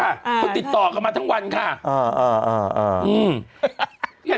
นี่อีเวกนะ